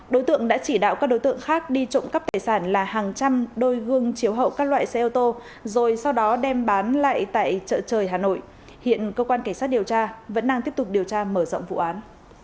đối tượng đã chỉ đạo các đối tượng khác đi trộm cắp tài sản là hàng trăm đôi gương chiếu hậu các loại xe ô tô rồi sau đó đem bán lại tại chợ trời hà nội hiện cơ quan cảnh sát điều tra vẫn đang tiếp tục điều tra mở rộng vụ án